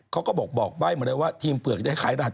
เขาก็บอกบ่อยไว้เลยว่าทีมเปลือกได้ขายรัฐ